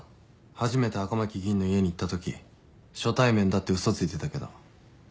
初めて赤巻議員の家に行ったとき初対面だって嘘ついてたけど。